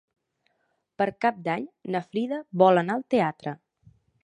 Per Cap d'Any na Frida vol anar al teatre.